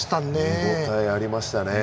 見応えありましたね。